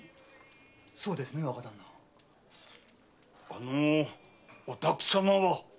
あのお宅さまは？